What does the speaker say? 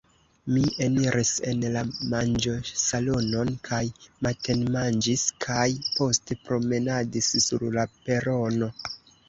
Mi eniris en la manĝosalonon kaj matenmanĝis kaj poste promenadis sur la perono.